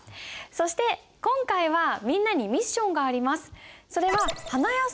そして今回はみんなにミッションがあります。